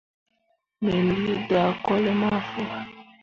Me lii daagolle ma fu.